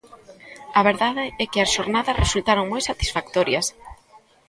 A verdade é que as xornadas resultaron moi satisfactorias.